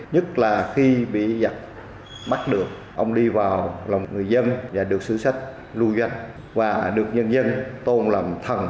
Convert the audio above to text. nhất là khi bị giặc bắt được ông đi vào lòng người dân và được sử sách lùi danh và được nhân dân tôn làm thần